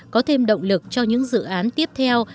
có thêm động lực cho những dự án tiếp theo